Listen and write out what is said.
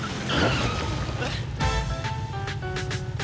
えっ？